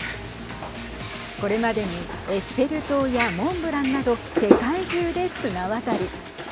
これまでにエッフェル塔やモンブランなど世界中で綱渡り。